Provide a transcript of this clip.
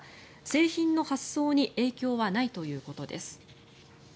製品の発送に影響はないということです。